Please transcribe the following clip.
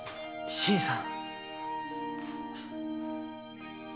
新さん。